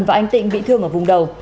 và anh tịnh bị thương ở vùng đầu